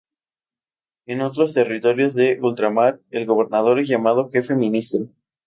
En otros territorios de ultramar, el gobernador es llamado "jefe ministro".